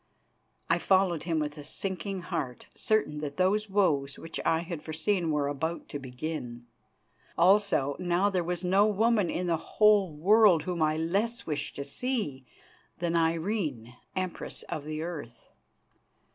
I followed him with a sinking heart, certain that those woes which I had foreseen were about to begin. Also, now there was no woman in the whole world whom I less wished to see than Irene, Empress of the Earth.